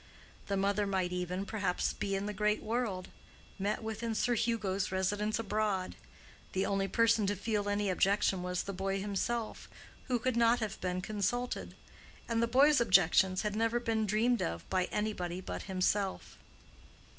The mother might even, perhaps, be in the great world—met with in Sir Hugo's residence abroad. The only person to feel any objection was the boy himself, who could not have been consulted. And the boy's objections had never been dreamed of by anybody but himself.